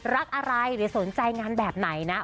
รักอะไรหรือสนใจงานแบบไหนนะ